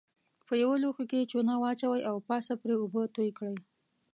په یوه لوښي کې چونه واچوئ او پاسه پرې اوبه توی کړئ.